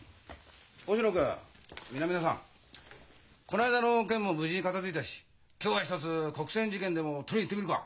この間の件も無事片づいたし今日はひとつ国選事件でも取りに行ってみるか？